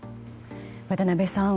渡辺さん